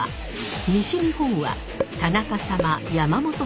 西日本は田中様